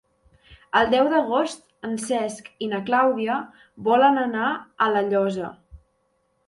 El deu d'agost en Cesc i na Clàudia volen anar a La Llosa.